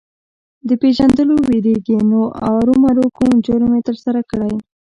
د پېژندلو وېرېږي نو ارومرو کوم جرم یې ترسره کړی.